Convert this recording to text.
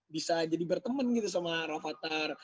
bisa jadi berteman gitu sama rafathar